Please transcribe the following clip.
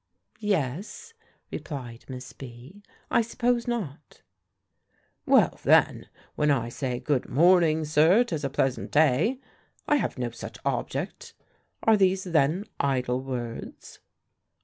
"Yes," replied Miss B., "I suppose not." "Well, then, when I say, 'Good morning, sir; 'tis a pleasant day,' I have no such object. Are these, then, idle words?"